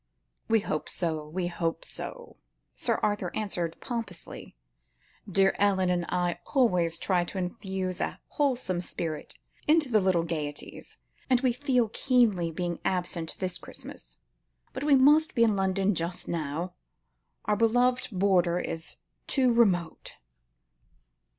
"We hope so, we hope so," Sir Arthur answered pompously; "dear Ellen and I always try to infuse a wholesome spirit into all the little gaieties, and we feel keenly being absent this Christmas. But we must be in London just now. Our own beloved border is too remote."